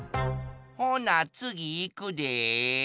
ほなつぎいくで。